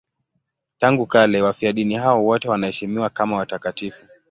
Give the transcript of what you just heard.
Tangu kale wafiadini hao wote wanaheshimiwa kama watakatifu.